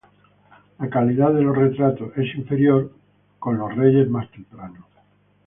La calidad de los retratos es inferior a reyes más tempranos.